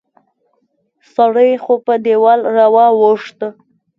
سړی خو په دیوال را واوښت